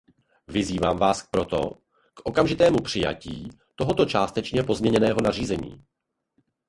Vyzývám vás proto k okamžitému přijatí tohoto částečně pozměněného nařízení.